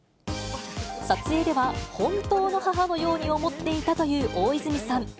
撮影では、本当の母のように思っていたという大泉さん。